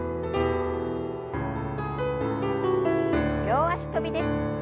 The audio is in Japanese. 両脚跳びです。